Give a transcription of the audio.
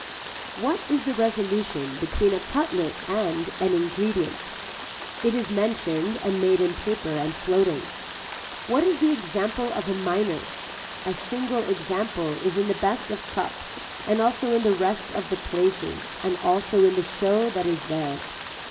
What is the resolution between a cutlet and an ingredient. It is mentioned and made in paper and floating. What is the example of a miner. A single example is in the best of cups and also in the rest of the places and also in the show that is there.